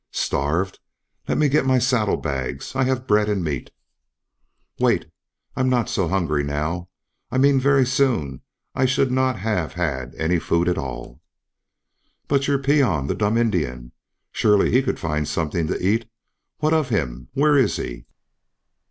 "Starved? Let me get my saddle bags I have bread and meat." "Wait. I'm not so hungry now. I mean very soon I should not have had any food at all." "But your peon the dumb Indian? Surely he could find something to eat. What of him? Where is he?"